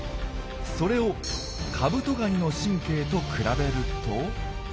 それをカブトガニの神経と比べると。